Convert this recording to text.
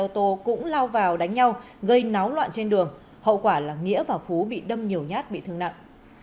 nhóm đi trên xe ô tô cũng lao vào đánh nhau gây náo loạn trên đường hậu quả là nghĩa và phú bị đâm nhiều nhát bị thương nặng